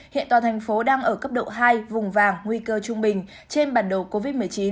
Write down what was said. hiện tòa thành phố đang ở cấp độ hai vùng vàng nguy cơ trung bình trên bản đồ covid một mươi chín